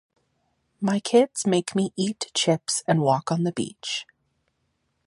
My kids make me eat chips and walk on the beach.